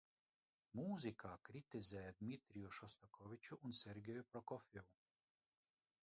Mūzikā kritizēja Dmitriju Šostakoviču un Sergeju Prokofjevu.